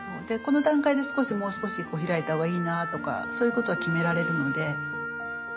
でこの段階で少しもう少し開いた方がいいなとかそういうことが決められるので。